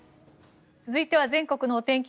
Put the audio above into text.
続いては全国のお天気